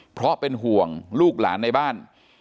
เพราะเป็นห่วงลูกหลานในบ้าน